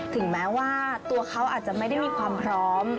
ถึงแม้ว่าตัวเขาอาจจะไม่ได้มีความพร้อม